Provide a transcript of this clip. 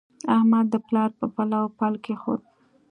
احمد د پلار پر پلو پل کېښود.